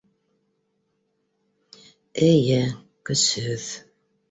Эйе, көсһөҙ.